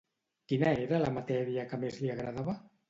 Quina era la matèria que més li agradava?